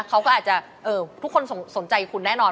เขาก็อาจจะทุกคนสนใจคุณแน่นอน